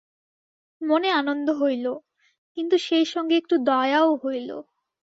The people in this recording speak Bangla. মনে আনন্দ হইল, কিন্তু সেইসঙ্গে একটু দয়াও হইল।